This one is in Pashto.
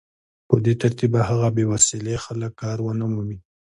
په دې ترتیب به هغه بې وسيلې خلک کار ونه مومي